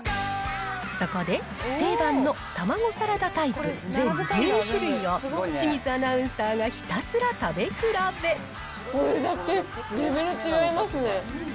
そこで、定番のたまごサラダタイプ全１２種類を、清水アナウンサーがひたこれだけレベル違いますね。